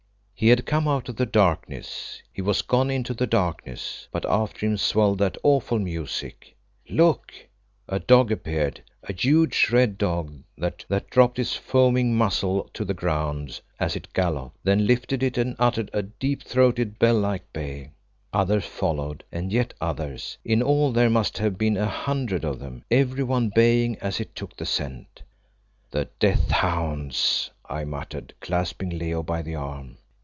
He had come out of the darkness. He was gone into the darkness, but after him swelled that awful music. Look! a dog appeared, a huge, red dog, that dropped its foaming muzzle to the ground as it galloped, then lifted it and uttered a deep throated, bell like bay. Others followed, and yet others: in all there must have been a hundred of them, every one baying as it took the scent. "The death hounds!" I muttered, clasping Leo by the arm.